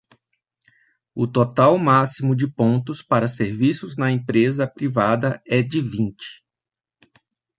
O total máximo de pontos para serviços na empresa privada é de vinte.